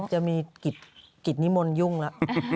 จะมีกิตนิมนต์ยุ่งละ